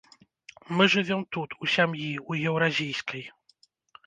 Мы жывём тут, у сям'і, у еўразійскай.